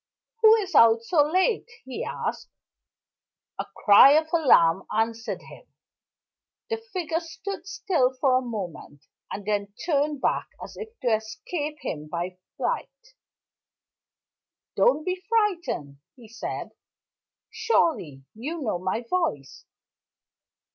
"Who is out so late?" he asked. A cry of alarm answered him. The figure stood still for a moment, and then turned back as if to escape him by flight. "Don't be frightened," he said. "Surely you know my voice?"